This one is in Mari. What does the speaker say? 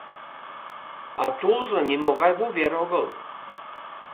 А тулжо нимогай вувер огыл.